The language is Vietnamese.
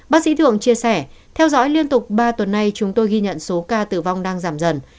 bác sĩ thường chia sẻ theo dõi liên tục ba tuần nay chúng tôi ghi nhận số ca tử vong đang giảm dần